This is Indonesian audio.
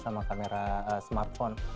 sama kamera smartphone